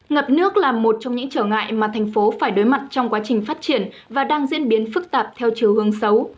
ngập nước là một trong những trở ngại mà thành phố phải đối mặt trong quá trình phát triển và đang diễn biến phức tạp theo chiều hương xấu